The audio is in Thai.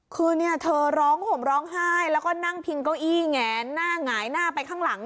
คือเนี่ยเธอร้องห่มร้องไห้แล้วก็นั่งพิงเก้าอี้แงนหน้าหงายหน้าไปข้างหลัง